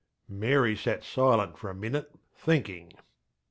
ŌĆÖ Mary sat silent for a minute thinking.